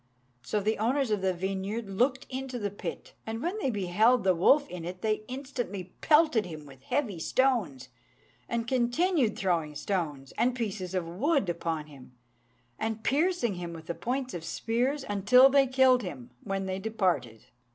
So the owners of the vineyard looked into the pit, and when they beheld the wolf in it, they instantly pelted him with heavy stones, and continued throwing stones and pieces of wood upon him, and piercing him with the points of spears, until they killed him, when they departed.